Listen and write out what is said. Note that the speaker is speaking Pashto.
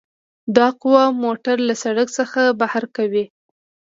دا قوه موټر له سرک څخه بهر کوي